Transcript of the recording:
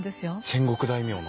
戦国大名の？